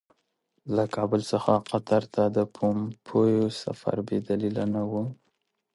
له کابل څخه قطر ته د پومپیو سفر بې دلیله نه وو.